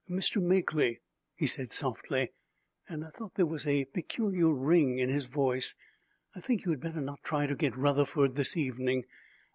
"Mr. Makely," he said softly, and I thought there was a peculiar ring in his voice, "I think you had better not try to get Rutherford this evening.